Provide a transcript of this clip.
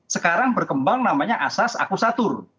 sekarang berkembang namanya asas akusatur